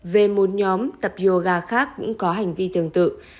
về một nhóm tập yoga khác cũng có hành vi tương tự